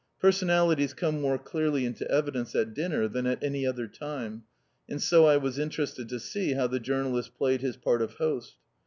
Personalities come more clearly into evidence at dinner than at any other time, and so I was interested to see how the journalist played his part of host.